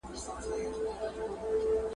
زه اوس بازار ته ځم،